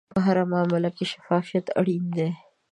په هره معامله کې شفافیت اړین دی.